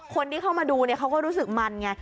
คนที่เข้ามาดูเขาก็รู้สึกมันไง